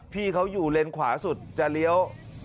พี่เขาอยู่เลนขวาสุดจะเลี้ยว